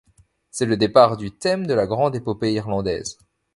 C'est le départ du thème de la grande épopée irlandaise.